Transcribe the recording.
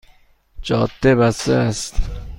جاده بسته است